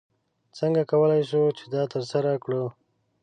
څنګه کولی شو چې دا ترسره کړو؟